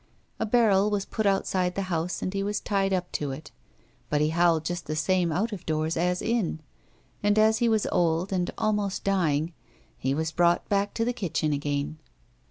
A barrel was put outside the house and he was tied up to it, but he howled just the same out of doors as in, and as he was old and almost dying, he was brought back to the kitchen again.